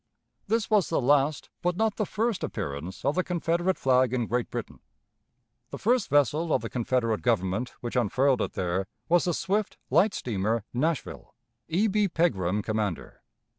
This was the last but not the first appearance of the Confederate flag in Great Britain; the first vessel of the Confederate Government which unfurled it there was the swift, light steamer Nashville, E. B. Pegram, commander.